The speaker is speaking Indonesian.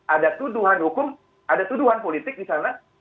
ada tuduhan hukum ada tuduhan politik di sana